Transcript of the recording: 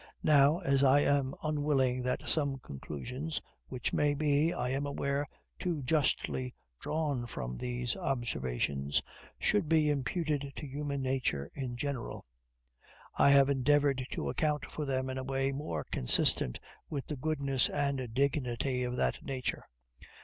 Now, as I am unwilling that some conclusions, which may be, I am aware, too justly drawn from these observations, should be imputed to human nature in general, I have endeavored to account for them in a way more consistent with the goodness and dignity of that nature.